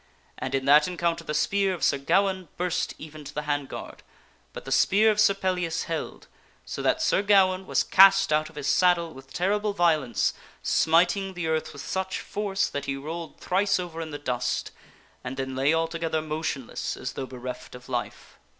And in that encounter the spear of Sir Gawaine burst even to the hand guard, but the spear of Sir Pellias held, so that Sir Gawaine was cast out of his saddle with terrible vio overthrbweth lence, smiting the earth with such force that he rolled thrice sir Gawaine over in the dust and then lay altogether motionless as though bereft of life.